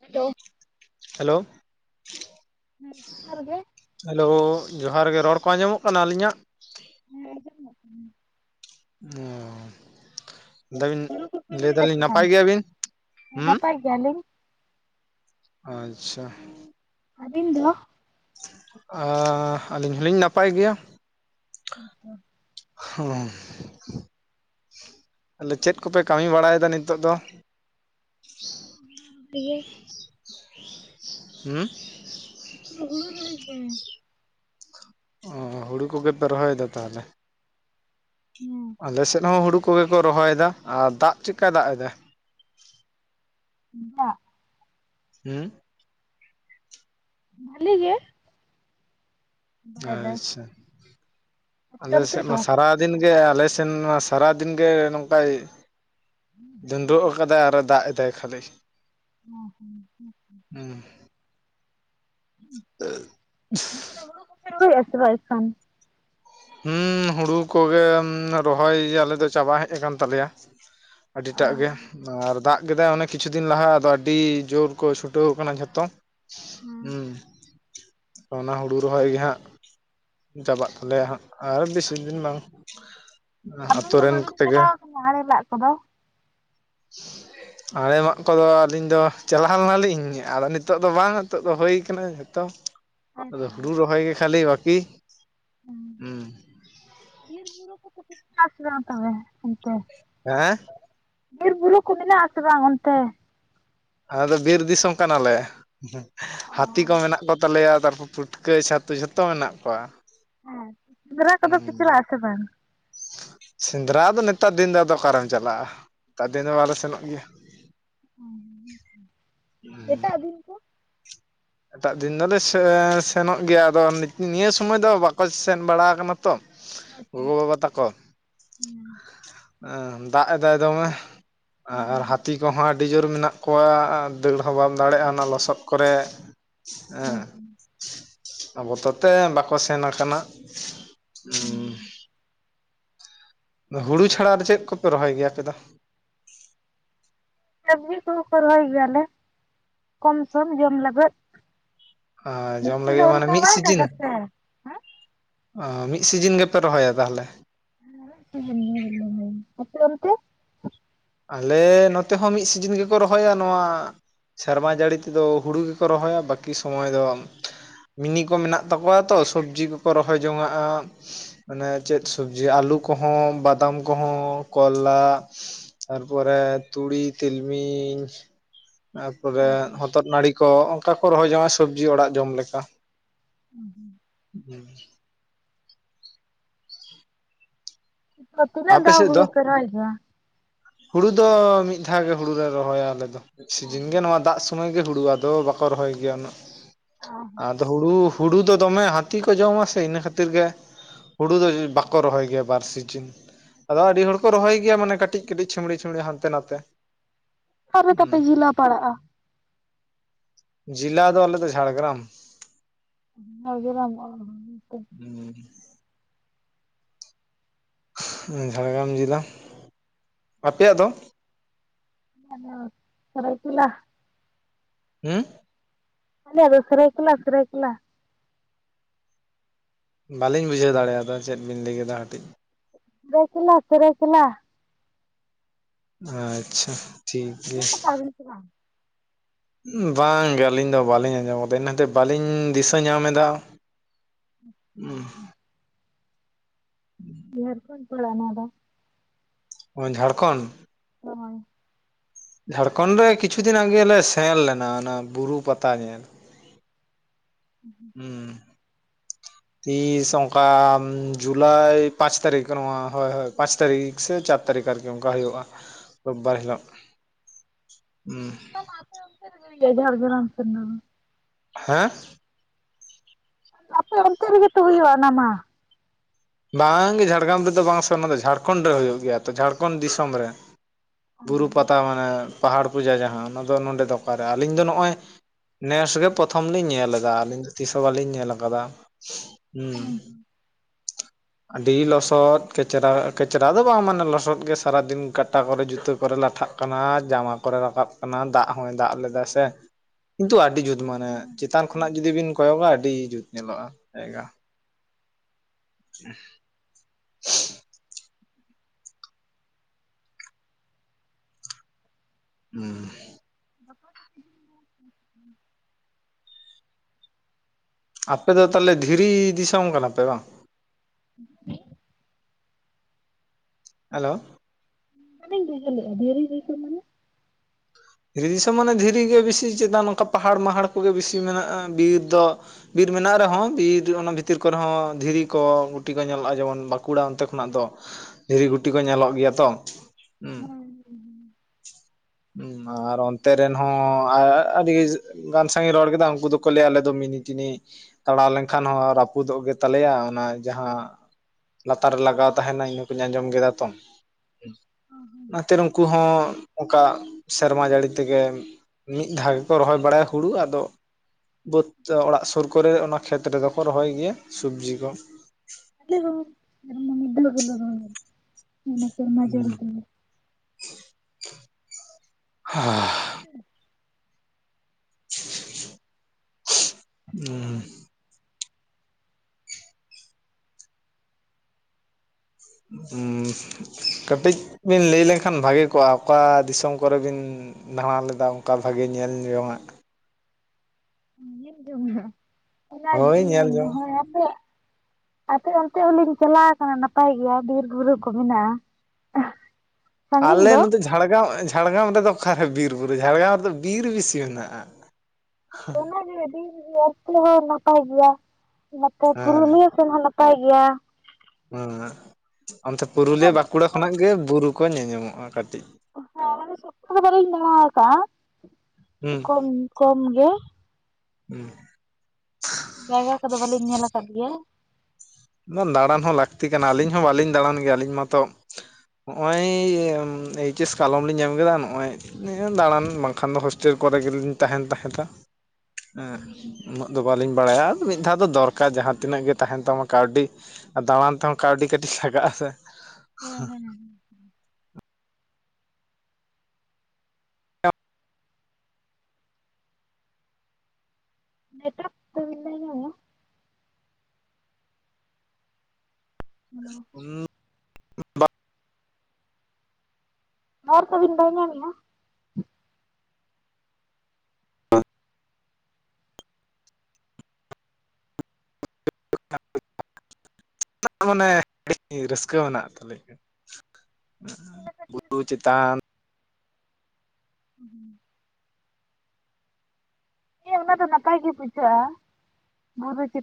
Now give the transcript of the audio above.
Hello. Hello. ᱦᱮᱸ ᱡᱚᱦᱟᱨ ᱜᱮ᱾ ᱦᱮᱞᱳ ᱡᱚᱦᱟᱨ ᱜᱮ, ᱨᱚᱲ ᱠᱚ ᱟᱸᱡᱚᱢᱚᱜ ᱠᱟᱱᱟ ᱟᱹᱞᱤᱧᱟᱜ? ᱦᱮᱸ ᱟᱸᱡᱚᱢᱚᱜ ᱠᱟᱱᱟ᱾ ᱚ᱾ ᱫᱟᱵᱤᱱ ᱦᱩᱲᱩ ᱠᱚᱯᱮ ᱞᱟᱹᱭ ᱨᱚᱦᱚᱭᱮᱫᱼᱟ ᱫᱟᱞᱤᱧ ᱥᱮ ᱵᱟᱝ? ᱱᱟᱯᱟᱭ ᱜᱮᱭᱟᱵᱤᱱ? ᱦᱮᱸ ᱦᱩᱸ᱾ ᱱᱟᱯᱟᱭ ᱜᱮᱭᱟᱞᱤᱧ ᱟᱪᱪᱷᱟ᱾ ᱟᱵᱤᱱ ᱫᱚ? ᱟ ᱟᱹᱞᱤᱧ ᱦᱚᱸᱞᱤᱧ ᱱᱟᱯᱟᱭ ᱜᱮᱭᱟ᱾ [inaudible] ᱚ ᱛᱟᱦᱞᱮ ᱪᱮᱫ ᱠᱚᱯᱮ ᱠᱟᱹᱢᱤ ᱵᱟᱲᱟᱭᱮᱫᱟ ᱱᱤᱛᱚᱜ ᱫᱚ? ᱦᱩᱲᱩ ᱨᱚᱦᱚᱭ ᱜᱮ᱾ ᱦᱩᱸ? ᱦᱩᱲᱩ ᱨᱚᱦᱚᱭ ᱜᱮ᱾ ᱚ ᱦᱩᱲᱩ ᱠᱚᱜᱮ ᱯᱮ ᱨᱚᱦᱚᱭ ᱮᱫᱟ ᱛᱟᱦᱚᱸᱞᱮ ᱾ ᱦᱮᱸ ᱟᱞᱮ ᱥᱮᱫ ᱦᱚᱸ ᱦᱩᱲᱩ ᱠᱚ ᱜᱮ ᱠᱚ ᱨᱚᱦᱚᱭᱮᱫᱟ ᱟᱨ ᱫᱟᱜ ᱪᱮᱫ ᱠᱟᱭ ᱫᱟᱜ ᱮᱫᱟ? [unintelligible] ᱦᱩᱸ, ᱵᱷᱟᱹᱞᱤ ᱜᱮ᱾ ᱵᱟᱭ ᱫᱟᱭ ᱟᱪᱪᱷᱟ ᱟᱯᱮ ᱟᱞᱮ ᱚᱱᱛᱮ ᱥᱮᱫ ᱢᱟ ᱫᱚ? ᱥᱟᱨᱟ ᱫᱤᱱᱜᱮ ᱟᱞᱮ ᱥᱮᱱ ᱢᱟ ᱥᱟᱨᱟᱫᱤᱱ ᱜᱮ ᱱᱚᱝᱠᱟᱭ ᱫᱳᱱᱫᱳᱜ ᱟᱠᱟᱫᱟᱭ ᱟᱨᱮ ᱫᱟᱜ ᱮᱫᱟᱭ ᱠᱷᱟᱹᱞᱤ [unintelligible] ᱦᱩᱸ, [unintelligible] ᱟᱯᱮ ᱫᱚ ᱦᱩᱲᱩ ᱠᱚᱯᱮ ᱨᱚᱦᱚᱭᱮᱜ-ᱟ ᱥᱮ ᱵᱟᱝ ᱮᱠᱷᱚᱱ ᱦᱩᱸ ᱦᱩᱲᱩ ᱠᱚᱜᱮᱢ ᱨᱚᱦᱚᱭ ᱟᱞᱮ ᱫᱚ ᱪᱟᱵᱟ ᱦᱮᱡ ᱟᱠᱟᱱ ᱛᱟᱞᱮᱭᱟ ᱚ ᱟᱹᱰᱤᱴᱟᱜ ᱜᱮ ᱟᱨ ᱫᱟᱜ ᱠᱮᱫᱟᱭ ᱚᱱᱮᱠ ᱠᱤᱪᱷᱩ ᱫᱤᱱ ᱞᱟᱦᱟ ᱟᱫᱚ ᱟᱹᱰᱤ ᱡᱳᱨ ᱠᱚ ᱪᱷᱩᱴᱟᱹᱣ ᱟᱠᱟᱱᱟ ᱡᱷᱚᱛᱚ ᱦᱮᱸ ᱦᱩᱸ᱾ ᱚᱱᱟ ᱦᱩᱲᱩ ᱨᱚᱦᱚᱭ ᱜᱮ ᱦᱟᱸᱜ ᱪᱟᱵᱟᱜ ᱛᱟᱞᱮᱭᱟ ᱟᱨ ᱵᱤᱥᱤ ᱫᱤᱱ ᱵᱟᱝ᱾ ᱟᱹᱵᱤᱱ ᱟᱛᱳ ᱫᱚ ᱨᱮᱱ ᱵᱟᱵᱤᱱ ᱛᱮᱜᱮ ᱪᱟᱞᱟᱣ ᱟᱠᱟᱱᱟ ᱟᱲᱮ ᱞᱟᱜ ᱠᱚᱫᱚ? [inaudible] ᱟᱲᱮ ᱢᱟᱜ ᱠᱚᱫᱚ ᱟᱹᱞᱤᱧ ᱫᱚ ᱪᱟᱞᱟᱣ ᱞᱮᱱᱟ ᱞᱤᱧ ᱟᱫᱚ ᱱᱤᱛᱚᱜ ᱫᱚ ᱵᱟᱝ ᱱᱤᱛᱚᱜ ᱫᱚ ᱦᱩᱭ ᱟᱠᱟᱱᱟ᱾ ᱛᱚ ᱟᱫᱚ ᱦᱩᱲᱩ ᱵᱤᱨ ᱨᱚᱦᱚᱭ ᱜᱮ ᱠᱷᱟᱹᱞᱤ ᱵᱟᱹᱠᱤ᱾ ᱦᱩᱸ, ᱵᱤᱨ ᱵᱩᱨᱩ [unintelligible] ᱢᱮᱱᱟᱜ ᱟᱥᱮ ᱵᱟᱝ ᱛᱚᱵᱮ ᱚᱱᱛᱮ? ᱦᱮᱸ, ᱵᱤᱨ ᱵᱩᱨᱩ ᱠᱚ ᱢᱮᱱᱟᱜ ᱟᱥᱮ ᱵᱟᱝ ᱚᱱᱛᱮ? ᱟᱫᱚ ᱵᱤᱨ ᱫᱤᱥᱚᱢ ᱠᱟᱱᱟᱞᱮ, ᱚ ᱦᱟᱹᱛᱤ ᱠᱚ ᱢᱮᱱᱟᱜ ᱠᱚᱛᱟ ᱞᱮᱭᱟ ᱛᱟᱨᱯᱚᱨ ᱯᱩᱴᱠᱟᱹ ᱪᱷᱟᱹᱛᱩ ᱡᱷᱚᱛᱚ ᱢᱮᱱᱟᱜ ᱠᱚᱣᱟ᱾ ᱦᱮᱸ ᱥᱮᱫᱽᱨᱟ ᱠᱚ ᱫᱚ ᱯᱮ ᱦᱩᱸ ᱪᱟᱞᱟᱜ ᱟᱥᱮ ᱵᱟᱝ? ᱥᱮᱸᱫᱽᱨᱟ ᱫᱚ ᱱᱮᱛᱟᱨ ᱫᱤᱱ ᱫᱚ ᱟᱫᱚ ᱚᱠᱟᱨᱮᱢ ᱪᱟᱞᱟᱜ-ᱟ᱾ ᱛᱟᱨ ᱫᱤᱱ ᱫᱚ ᱵᱟᱞᱮ ᱥᱮᱱᱚᱜ ᱜᱮᱭᱟ᱾ ᱮᱴᱟᱜ ᱫᱤᱱ ᱠᱚ ᱮᱴᱟᱜ ᱫᱤᱱ ᱫᱚᱞᱮ ᱥᱮᱱᱚᱜ ᱜᱮᱭᱟ ᱟᱫᱚ ᱱᱤᱭᱟᱹ ᱥᱩᱚᱢᱚᱭ ᱫᱚ ᱵᱟᱠᱚ ᱥᱮᱱ ᱵᱟᱲᱟ ᱠᱟᱱᱟ ᱛᱚ ᱦᱳᱭᱛᱚ ᱜᱚᱜᱚ ᱵᱟᱵᱟ ᱛᱟᱠᱚ᱾ ᱮ ᱫᱟᱜ ᱮᱫᱟᱭ ᱫᱚᱢᱮ ᱟᱨ ᱦᱟᱹᱛᱤ ᱠᱚᱦᱚ ᱟᱹᱰᱤ ᱡᱳᱨ ᱢᱮᱱᱟᱜ ᱠᱚᱣᱟ ᱫᱟᱹᱲ ᱦᱚᱸ ᱵᱟᱢ ᱫᱟᱲᱮᱜ-ᱟ ᱚᱱᱟ ᱞᱚᱥᱚᱫ ᱠᱚᱨᱮ᱾ ᱦᱮᱸ ᱚᱱᱟ ᱵᱛᱚᱨ ᱛᱮ ᱵᱟᱠᱚ ᱥᱮᱱ ᱟᱠᱟᱱᱟ᱾ ᱦᱩᱲᱩ ᱪᱷᱟᱲᱟ ᱟᱨ ᱪᱮᱫ ᱠᱚᱯᱮ ᱨᱚᱦᱚᱭ ᱜᱮᱭᱟ ᱟᱯᱮ ᱫᱚ? ᱥᱚᱵᱽᱡᱤ ᱠᱚ ᱦᱚᱸ ᱠᱚ ᱨᱚᱦᱚᱭ ᱜᱮᱭᱟᱞᱮ, ᱠᱚᱢ ᱥᱚᱢ ᱡᱚᱢ ᱞᱟ. ᱜᱚᱫ᱾ ᱟᱨ ᱡᱚᱢ ᱞᱟᱹᱜᱤᱫ ᱢᱟᱱᱮ ᱢᱤᱫ ᱵᱟᱭ ᱥᱤᱡᱤᱱ᱾ ᱫᱟᱜᱟ ᱥᱮ ᱚ ᱢᱤᱫ ᱥᱤᱡᱤᱱ ᱜᱮᱯᱮ ᱨᱚᱦᱚᱭᱟ ᱛᱟᱦᱚᱸᱞᱮ? [unintelligible] ᱟᱯᱮ ᱚᱱᱛᱮ? ᱟᱞᱮ ᱱᱚᱛᱮ ᱦᱚᱸ ᱢᱤᱫ ᱥᱤᱡᱤᱱ ᱜᱮᱠᱚ ᱨᱚᱦᱚᱭᱟ ᱱᱚᱣᱟ ᱥᱮᱨᱢᱟ ᱡᱟᱹᱲᱤ ᱛᱮᱫᱚ ᱦᱩᱲᱩ ᱜᱮᱠᱚ ᱨᱚᱦᱚᱭᱟ, ᱵᱟᱹᱠᱤ ᱥᱚᱢᱚᱭ ᱫᱚ ᱢᱤᱱᱤ ᱠᱚ ᱢᱮᱱᱟᱜ ᱛᱟᱠᱚᱣᱟ ᱛᱚ, ᱥᱚᱵᱽᱡᱤ ᱠᱚᱠᱚ ᱨᱚᱦᱚᱭ ᱡᱚᱝᱟᱜ-ᱟ᱾ ᱢᱟᱱᱮ ᱪᱮᱫ ᱥᱚᱵᱽᱡᱤ ᱟᱹᱞᱩ ᱠᱚᱦᱚᱸ, ᱵᱟᱫᱟᱢ ᱠᱚᱦᱚᱸ, ᱠᱚᱞᱞᱟ᱾ ᱛᱟᱨᱯᱚᱨᱮ ᱛᱩᱲᱤ, ᱛᱤᱞᱢᱤᱧ, ᱛᱟᱨᱯᱚᱨᱮ ᱦᱚᱛᱚᱫ ᱱᱟᱹᱲᱤ ᱠᱚ ᱚᱱᱠᱟ ᱠᱚ ᱨᱚᱦᱚᱭ ᱡᱚᱝ-ᱟ ᱥᱚᱵᱽᱡᱤ ᱚᱲᱟᱜ ᱡᱚᱢ ᱞᱮᱠᱟ᱾ [unintelligible] [unintelligible] ᱛᱚ ᱛᱤᱱᱟᱹᱜ ᱟᱯᱮ ᱫᱷᱟᱣ ᱥᱮᱫ ᱫᱚ ᱦᱩᱲᱩ ᱯᱮ ᱨᱚᱦᱚᱭ ᱜᱮᱭᱟ? ᱦᱩᱲᱩ ᱫᱚ ᱢᱤᱫ ᱫᱷᱟᱣ ᱜᱮ ᱦᱩᱲᱩ ᱞᱮ ᱨᱚᱦᱚᱭᱟ ᱟᱞᱮ ᱫᱚ, ᱢᱤᱫ ᱥᱤᱡᱤᱱ ᱜᱮ ᱱᱚᱣᱟ ᱫᱟᱜ ᱥᱚᱢᱚᱭ ᱜᱮ ᱦᱩᱲᱩ ᱟᱫᱚ ᱵᱟᱠᱚ ᱨᱚᱦᱚᱭ ᱜᱮᱭᱟ ᱩᱱᱟᱹᱜ ᱟᱨ, ᱦᱩᱲᱩ ᱦᱩᱲᱩ ᱫᱚ ᱫᱚᱢᱮ ᱦᱟᱹᱛᱤ ᱠᱚ ᱡᱚᱢᱟ ᱥᱮ ᱤᱱᱟᱹ ᱠᱷᱟᱹᱛᱤᱨ ᱜᱮ᱾ ᱦᱩᱲᱩ ᱫᱚ ᱵᱟᱠᱚ ᱨᱚᱦᱚᱭ ᱜᱮᱭᱟ ᱵᱟᱨ ᱥᱤᱡᱤᱱ᱾ ᱟᱫᱚ ᱟᱹᱰᱤ ᱦᱚᱲ ᱠᱚ ᱨᱚᱦᱚᱭ ᱜᱮᱭᱟ ᱢᱟᱱᱮ ᱠᱟᱹᱴᱤᱡ ᱠᱟᱹᱴᱤᱡ ᱪᱷᱤᱢᱲᱤ ᱪᱷᱤᱢᱲᱤ ᱦᱟᱱᱛᱮ ᱱᱟᱛᱮ᱾ ᱟᱨ ᱚᱠᱟᱯᱮ ᱦᱩᱸ ᱡᱤᱞᱟ ᱯᱟᱲᱟᱜᱼᱟ? ᱡᱮᱞᱟ ᱫᱚ ᱟᱞᱮ ᱫᱚ ᱡᱷᱟᱲᱜᱨᱟᱢ᱾ ᱡᱷᱟᱲᱜᱟᱨᱟᱢ ᱚᱦ, ᱦᱩᱸ᱾ ᱡᱷᱟᱲᱜᱨᱟᱢ ᱡᱮᱞᱟ, ᱟᱯᱮᱭᱟᱜ ᱫᱚ? ᱟᱫᱚ ᱥᱚᱨᱟᱭᱠᱮᱞᱟ᱾ ᱦᱩᱸ᱾ ᱟᱞᱮᱭᱟᱜ ᱫᱚ ᱥᱚᱨᱟᱭᱠᱮᱞᱟ ᱥᱚᱨᱟᱭᱠᱮᱞᱟ᱾ ᱵᱟᱹᱞᱤᱧ ᱵᱩᱡᱷᱟᱹᱣ ᱫᱟᱲᱮᱭᱟᱫᱟ ᱪᱮᱫ ᱵᱤᱱ ᱞᱟᱹᱭ ᱠᱮᱫᱟ ᱠᱟᱹᱴᱤᱡ᱾ ᱨᱟᱹᱩᱷᱞᱠᱮᱞᱟ ᱥᱚᱨᱟᱭᱠᱮᱞᱟ᱾ ᱟᱪᱪᱷᱟ᱾ ᱴᱷᱤᱠ ᱜᱮᱭᱟ ᱟᱸᱡᱚᱢ ᱠᱟ ᱵᱤᱱ ᱥᱮ ᱵᱟᱝ? ᱵᱟᱝᱜᱮ ᱟᱹᱞᱤᱧ ᱫᱚ ᱵᱟᱹᱞᱤᱧ ᱟᱸᱡᱚᱢ ᱠᱟᱫᱟ ᱤᱱᱟᱹᱛᱮ ᱵᱟᱹᱞᱤᱧ ᱫᱤᱥᱟᱹ ᱧᱟᱢ ᱮᱫᱟ᱾ [unintelligible] [unintelligible] ᱚ ᱡᱷᱟᱲᱠᱷᱚᱸᱰ? [unintelligible] ᱡᱷᱟᱲᱠᱷᱚᱸᱰ ᱨᱮ ᱠᱤᱪᱷᱩ ᱫᱤᱱ ᱟᱜᱮ ᱞᱮ ᱥᱮᱱ ᱞᱮᱱᱟ ᱚᱱᱟ ᱵᱩᱨᱩ ᱯᱟᱛᱟ ᱧᱮᱞ᱾ [unintelligible] ᱦᱩᱸ᱾ ᱛᱤᱥ ᱚᱝᱠᱟ ᱡᱩᱞᱟᱭ ᱯᱟᱸᱪ ᱛᱟᱹᱨᱤᱠᱷ ᱱᱚᱣᱟ ᱦᱳᱭ ᱦᱳᱭ ᱯᱟᱸᱪ ᱛᱟᱹᱨᱤᱠᱷ ᱥᱮ ᱪᱟᱨ ᱛᱟᱹᱨᱤᱠᱷ ᱟᱨᱠᱤ ᱚᱱᱠᱟ ᱦᱳᱭᱳᱜᱼᱟ, ᱨᱳᱵᱵᱟᱨ ᱦᱤᱞᱳᱜ ᱩᱸ᱾ ᱯᱟᱛᱟ ᱢᱟ ᱟᱯᱮ ᱚᱱᱛᱮ ᱨᱮᱜᱮ ᱦᱳᱭᱳᱜᱼᱟ ᱡᱷᱟᱲᱜᱨᱟᱢ ᱥᱮᱱ ᱫᱚ ᱵᱟᱝ᱾ ᱦᱮᱸ᱾ ᱟᱯᱮ ᱚᱱᱛᱮ ᱨᱮᱜᱮ ᱛᱚ ᱦᱳᱭᱳᱜᱼᱟ ᱚᱱᱟᱢᱟ᱾ ᱵᱟᱝᱜᱮ ᱡᱷᱟᱲᱜᱨᱟᱢ ᱨᱮᱫᱚ ᱵᱟᱝ ᱥᱮ ᱚᱱᱟ ᱫᱚ ᱡᱷᱟᱲᱠᱷᱚᱸᱰ ᱨᱮ ᱦᱳᱭᱳᱜ ᱜᱮᱭᱟ ᱛᱚ ᱡᱷᱟᱲᱠᱷᱚᱸᱰ ᱫᱤᱥᱚᱢ ᱨᱮ᱾ ᱵᱩᱨᱩ ᱯᱟᱛᱟ ᱢᱟᱱᱮ ᱯᱟᱦᱟᱲ ᱯᱩᱡᱟᱹ ᱡᱟᱦᱟᱸ ᱚᱱᱟ ᱫᱚ ᱱᱚᱰᱮ ᱫᱚ ᱚᱠᱟᱨᱮ ᱟᱹᱞᱤᱧ ᱫᱚ ᱱᱚᱜᱼᱚᱭ ᱱᱮᱥ ᱜᱮ ᱯᱨᱚᱛᱷᱚᱢ ᱞᱤᱧ ᱧᱮᱞ ᱮᱫᱟ ᱟᱹᱞᱤᱧ ᱫᱚ ᱛᱤᱥᱦᱚᱸ ᱵᱟᱹᱞᱤᱧ ᱧᱮᱞ ᱟᱠᱟᱫᱟ ᱩᱸ᱾ ᱟᱹᱰᱤ ᱞᱚᱥᱚᱫ ᱠᱮᱪᱨᱟ ᱠᱮᱪᱨᱟ ᱫᱚ ᱵᱟᱝ ᱢᱟᱱᱮ ᱞᱚᱥᱚᱫ ᱜᱮ ᱥᱟᱨᱟᱫᱤᱱ ᱠᱟᱴᱟ ᱠᱚᱨᱮ ᱡᱩᱛᱟᱹ ᱠᱚᱨᱮ ᱞᱟᱴᱷᱟᱜ ᱠᱟᱱᱟ ᱡᱟᱢᱟ ᱠᱚᱨᱮ ᱨᱟᱠᱟᱵ ᱠᱟᱱᱟ, ᱫᱟᱜ ᱦᱚᱭ ᱫᱟᱜ ᱞᱮᱫᱟ ᱥᱮ᱾ ᱠᱤᱱᱛᱩ ᱟᱹᱰᱤ ᱡᱩᱛ ᱢᱟᱱᱮ, ᱪᱮᱛᱟᱱ ᱠᱷᱚᱱᱟᱜ ᱡᱩᱫᱤ ᱵᱤᱱ ᱠᱚᱭᱚᱜᱟ ᱟᱹᱰᱤ ᱡᱩᱛ ᱧᱮᱞᱚᱜᱼᱟ ᱡᱟᱭᱜᱟ᱾ [unintelligible] [unintelligible] [inaudible] ᱟᱯᱮ ᱫᱚ ᱛᱟᱦᱚᱞᱮ ᱫᱷᱤᱨᱤ ᱫᱤᱥᱚᱢ ᱠᱟᱱᱟᱯᱮ ᱵᱟᱝ? [unintelligible] ᱦᱮᱞᱳ᱾ ᱵᱟᱧ ᱵᱩᱡᱷᱟᱣ ᱞᱮᱟ ᱫᱷᱤᱨᱤ ᱫᱤᱥᱚᱢ ᱢᱟᱱᱮ? ᱫᱷᱤᱨᱤ ᱫᱤᱥᱚᱢ ᱫᱷᱤᱨᱤ ᱜᱮ ᱵᱮᱥᱤ ᱪᱮᱫᱟᱜ ᱱᱚᱝᱠᱟ ᱯᱟᱦᱟᱲ ᱢᱟᱦᱟᱲ ᱠᱚᱜᱮ ᱵᱮᱥᱤ ᱢᱮᱱᱟᱜᱼᱟ, ᱵᱤᱨ ᱫᱚ ᱵᱤᱨ ᱢᱮᱱᱟᱜ ᱨᱮᱦᱚᱸ ᱵᱤᱨ ᱚᱱᱟ ᱵᱷᱤᱛᱤᱨ ᱠᱚᱨᱮ ᱦᱚᱸᱚᱸ ᱫᱷᱤᱨᱤ ᱠᱚ ᱜᱩᱴᱤ ᱠᱚ ᱧᱮᱞᱚᱜᱼᱟ, ᱡᱮᱢᱚᱱ ᱵᱟᱸᱠᱩᱲᱟ ᱚᱱᱛᱮ ᱠᱷᱚᱱᱟᱜ ᱫᱚ ᱫᱷᱤᱨᱤ ᱜᱩᱴᱤ ᱠᱚ ᱧᱮᱞᱚᱜ ᱜᱮᱭᱟ ᱛᱚ ᱾ [unintelligible] ᱟᱨ ᱚᱱᱛᱮ ᱨᱮᱱ ᱦᱚᱸ [unintelligible] ᱜᱟᱱ ᱥᱟᱸᱜᱤᱧ ᱨᱚᱲ ᱠᱮᱫᱟ ᱩᱱᱠᱩ ᱫᱚ ᱠᱚ ᱞᱟᱹᱭᱟ ᱟᱞᱮ ᱫᱚ ᱢᱤᱱᱤ ᱴᱤᱱᱤ ᱛᱟᱲᱟᱣ ᱞᱮᱱᱠᱷᱟᱱ ᱦᱚᱸ ᱨᱟᱹᱯᱩᱫᱚᱜ ᱜᱮᱛᱟ ᱞᱮᱭᱟ ᱚᱱᱟ ᱡᱟᱦᱟᱸ ᱞᱟᱛᱟᱨ ᱨᱮ ᱞᱟᱜᱟᱣ ᱛᱟᱦᱮᱱᱟ ᱤᱱᱟᱹ ᱠᱚᱧ ᱟᱸᱡᱚᱢ ᱠᱮᱫᱟ ᱛᱚ ᱦᱳᱭ [unintelligible] ᱱᱩᱠᱩ ᱦᱚᱸ ᱚᱱᱠᱟ ᱥᱮᱨᱢᱟ ᱡᱟᱹᱲᱤ ᱛᱮᱜᱮ ᱢᱤᱫ ᱫᱷᱟᱣ ᱜᱮᱠᱚ ᱨᱚᱦᱚᱭ ᱵᱟᱲᱟᱭᱟ ᱦᱩᱲᱩ, ᱟᱫᱚ ᱵᱟᱹᱫᱽ ᱫᱚ ᱚᱲᱟᱜ ᱥᱩᱨ ᱠᱚᱨᱮ ᱚᱱᱟ ᱠᱷᱮᱛ ᱨᱮᱫᱚ ᱠᱚ ᱨᱚᱦᱚᱭ ᱜᱮᱭᱟ ᱥᱚᱵᱡᱤ ᱠᱚ᱾ ᱟᱞᱮ ᱦᱚᱸ ᱥᱮᱨᱢᱟ ᱢᱤᱫ ᱫᱷᱟᱣ ᱨᱮᱜᱮᱞᱮ ᱨᱚᱦᱚᱭᱟ ᱚᱱᱟ ᱥᱮᱨᱢᱟ ᱡᱟᱲᱤ ᱦᱩᱸ ᱛᱮᱜᱮ [inaudible] [unintelligible] [unintelligible] [unintelligible] ᱠᱟᱹᱴᱤᱡ ᱵᱤᱱ ᱞᱟᱹᱭ ᱞᱮᱱᱠᱷᱟᱱ ᱵᱷᱟᱜᱮ ᱠᱚᱜᱼᱟ ᱚᱠᱟ ᱫᱤᱥᱚᱢ ᱠᱚᱨᱮ ᱵᱤᱱ ᱫᱟᱬᱟ ᱞᱮᱫᱟ ᱚᱱᱠᱟ ᱵᱷᱟᱜᱮ ᱧᱮᱞ ᱡᱚᱝ ᱟᱜ [unintelligible] ᱦᱳᱭ ᱧᱮᱞ ᱡᱚᱝ ᱟᱯᱮ ᱚᱱᱛᱮ ᱦᱚᱸᱞᱤᱧ ᱪᱟᱞᱟᱣ ᱠᱟᱱᱟ ᱱᱟᱯᱟᱭ ᱜᱮᱭᱟ ᱵᱤᱨ ᱵᱩᱨᱩ ᱠᱚ ᱢᱮᱱᱟᱜᱼᱟ ᱾ ᱟᱞᱮ ᱱᱚᱛᱮ ᱡᱷᱟᱲᱜᱨᱟᱢ ᱡᱷᱟᱲᱜᱨᱟᱢ ᱨᱮᱫᱚ ᱚᱠᱟᱨᱮ ᱵᱤᱨ ᱵᱩᱨᱩ ᱡᱷᱟᱲᱜᱨᱟᱢ ᱨᱮᱫᱚ ᱵᱤᱨ ᱵᱮᱥᱤ ᱢᱮᱱᱟᱜᱼᱟ᱾ ᱚᱱᱟᱜᱮ ᱵᱤᱨ ᱜᱮᱭᱟ ᱱᱚᱱᱛᱮ ᱦᱚᱸ ᱱᱟᱯᱟᱭ ᱜᱮᱭᱟ ᱱᱟᱛᱮ ᱦᱮᱸ ᱯᱩᱨᱩᱞᱤᱭᱟᱹ ᱥᱮᱱ ᱦᱚᱸ ᱱᱟᱛ ᱱᱟᱯᱟᱭ ᱜᱮᱭᱟ ᱾ ᱦᱮᱸ ᱚᱱᱛᱮ ᱩᱱᱟᱹᱜ ᱯᱩᱨᱩᱞᱤᱭᱟᱹ ᱫᱚ ᱵᱟᱸᱠᱩᱲᱟ ᱥᱩᱯᱩᱨ ᱠᱷᱚᱱᱟᱜ ᱜᱮ ᱵᱩᱨᱩ ᱠᱚ ᱧᱮᱞᱧᱟᱢᱚᱜᱼᱟ ᱠᱟᱹᱴᱤᱡ ᱦᱮᱸ ᱥᱳᱠᱛᱚ ᱵᱟᱞᱤᱧ ᱫᱟᱲᱟ ᱟᱠᱟᱜᱼᱟ ᱦᱩᱸ ᱠᱚᱢ ᱠᱚᱢ ᱜᱮ᱾ [unintelligible] ᱡᱟᱭᱜᱟ ᱠᱚᱫᱚ ᱵᱟᱹᱞᱤᱧ ᱧᱮᱞ ᱟᱠᱟᱫ ᱜᱮᱭᱟ ᱫᱟᱬᱟᱱ ᱦᱚᱸ ᱞᱟᱹᱠᱛᱤ ᱠᱟᱱᱟ ᱟᱹᱞᱤᱧ ᱦᱚᱸ ᱵᱟᱹᱞᱤᱧ ᱫᱟᱬᱟᱱ ᱜᱮᱭᱟ ᱟᱹᱞᱤᱧ ᱢᱟᱛᱚ ᱾ ᱱᱚᱜᱼᱚᱭ ᱮᱭᱤᱪᱮᱥ ᱠᱟᱞᱚᱢ ᱞᱤᱧ ᱮᱢ ᱠᱮᱫᱟ ᱱᱚᱜᱼᱚᱭ ᱱᱤᱭᱟᱹ ᱫᱟᱬᱟᱱ ᱵᱟᱝᱠᱷᱟᱱ ᱫᱚ ᱦᱳᱥᱴᱮᱞ ᱠᱚᱨᱮ ᱜᱮᱞᱤᱧ ᱛᱟᱦᱮᱱ ᱛᱟᱦᱮᱸᱫᱼᱟ ᱾ ᱦᱮᱸ ᱩᱱᱟᱹᱜ ᱫᱚ ᱵᱟᱹᱞᱤᱧ ᱵᱟᱲᱟᱭᱟ ᱢᱤᱫ ᱫᱷᱟᱣ ᱫᱚ ᱫᱚᱨᱠᱟᱨ ᱡᱟᱦᱟᱸ ᱛᱤᱱᱟᱹᱜ ᱜᱮ ᱛᱟᱦᱮᱱ ᱛᱟᱢᱟ ᱾ ᱠᱟᱹᱣᱰᱤ ᱟᱨ ᱫᱟᱬᱟᱱ ᱛᱮᱦᱚᱸ ᱠᱟᱹᱣᱰᱤ ᱠᱟᱹᱴᱤᱡ ᱞᱟᱜᱟᱜᱼᱟ ᱥᱮ ᱾ ᱦᱮᱸ ᱦᱮᱸ [unintelligible] ᱵᱟᱭ ᱧᱟᱢᱮᱜᱼᱟ ᱦᱚᱸ [unintelligible] ᱴᱟᱣᱟᱨ ᱠᱚ ᱵᱤᱱ ᱵᱟᱭ ᱧᱟᱢ ᱮᱟ ᱾ [unintelligible] ᱢᱟᱱᱮ ᱟᱹᱰᱤ ᱨᱟᱹᱥᱠᱟᱹ ᱢᱮᱱᱟᱜ ᱛᱟᱞᱤᱧᱟ ᱾ ᱵᱩᱨᱩ ᱪᱮᱛᱟᱱ [inaudible] ᱦᱮᱸ ᱚᱱᱟ ᱫᱚ ᱱᱟᱯᱟᱭ ᱜᱮ ᱵᱩᱡᱷᱟᱹᱜᱼᱟ ᱵᱩᱨᱩ ᱪᱮᱛ